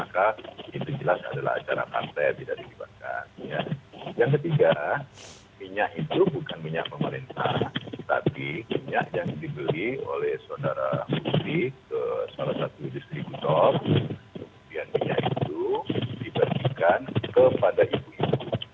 kemudian minyak itu diberikan kepada ibu ibu